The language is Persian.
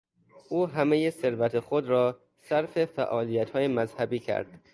او همهی ثروت خود را صرف فعالیتهای مذهبی کرد.